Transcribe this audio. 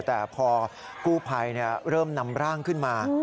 แต่พอกู้ภัยเริ่มนำร่างขึ้นมา